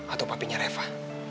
atau papinya reva